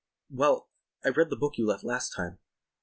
"Well, I read the book you left last time."